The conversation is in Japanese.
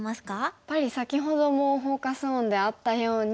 やっぱり先ほどもフォーカス・オンであったように。